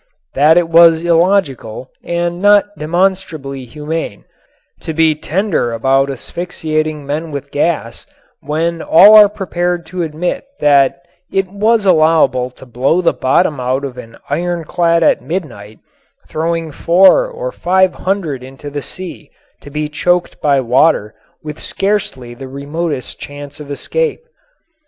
That it was illogical, and not demonstrably humane, to be tender about asphyxiating men with gas, when all are prepared to admit that it was allowable to blow the bottom out of an ironclad at midnight, throwing four or five hundred into the sea, to be choked by water, with scarcely the remotest chance of escape.